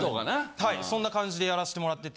はいそんな感じでやらしてもらってて。